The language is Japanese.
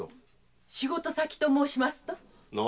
仕事先と申しますと？